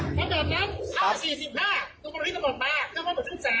เพราะแบบนั้นข้าว๔๕ตรงบริษัทหมดมา